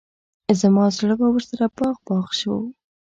زما زړه به ورسره باغ باغ شو.